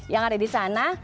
yang ada di sana